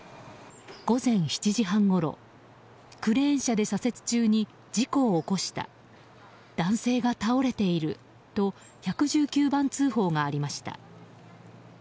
午前７時半ごろクレーン車で左折中に事故を起こした男性が倒れていると１１９番通報がありました。